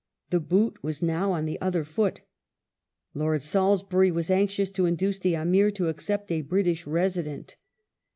The boot was Lytton's ^^^ q^ j j^g other foot. Lord Salisbuiy was anxious to induce the royalty, Amir to accept a British Resident.